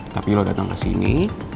tapi lo datang kesini